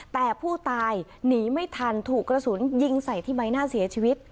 แต่ผู้ตายหนีไม่ทันถูกกระสุนยิงใส่ที่ใบหน้าเสียชีวิต